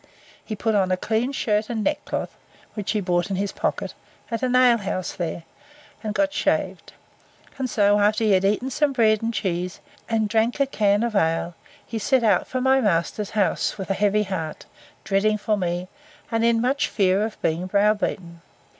He put on a clean shirt and neckcloth (which he brought in his pocket) at an alehouse there, and got shaved; and so, after he had eaten some bread and cheese, and drank a can of ale, he set out for my master's house, with a heavy heart, dreading for me, and in much fear of being brow beaten.